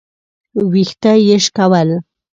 ويښته يې شکول.